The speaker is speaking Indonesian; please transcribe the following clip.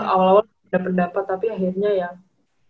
awal awalnya udah pendapat tapi akhirnya ya